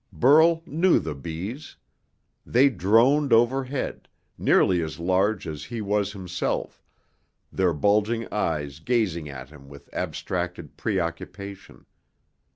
Burl knew the bees. They droned overhead, nearly as large as he was himself, their bulging eyes gazing at him with abstracted preoccupation.